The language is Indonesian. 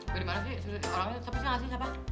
bagaimana sih orangnya tetap bisa gak sih siapa